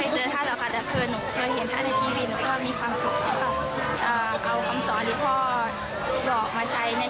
แต่คือเห็นท่าตะทีบี